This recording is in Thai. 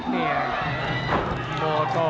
โตโต